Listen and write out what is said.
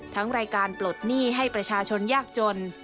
รายการปลดหนี้ให้ประชาชนยากจน